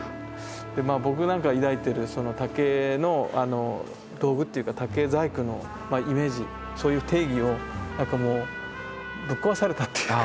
まあ僕なんか抱いてる竹の道具っていうか竹細工のイメージそういう定義をなんかもうぶっ壊されたっていうか。